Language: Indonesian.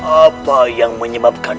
apa yang menyebabkan